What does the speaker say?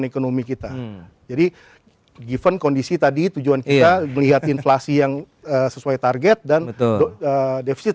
ekonomi kita jadi given kondisi tadi tujuan kita melihat inflasi yang sesuai target dan defisit